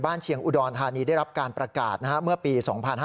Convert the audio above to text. เชียงอุดรธานีได้รับการประกาศเมื่อปี๒๕๕๙